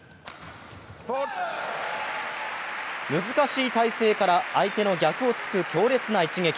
難しい態勢から相手の逆をつく強烈な一撃。